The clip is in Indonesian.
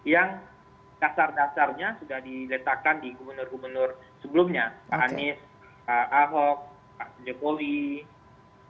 yang dasar dasarnya sudah diletakkan di gubernur gubernur sebelumnya pak anies pak ahok pak jekowi dan segala macamnya